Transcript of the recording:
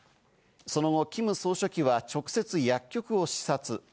その後、キム総書記は直接、薬局を視察。